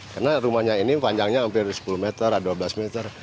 karena rumahnya ini panjangnya hampir sepuluh meter atau dua belas meter